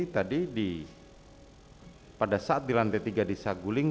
tadi pada saat di lantai tiga di saguling